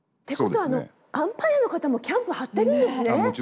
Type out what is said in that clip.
ことはアンパイアの方もキャンプ張ってるんですね。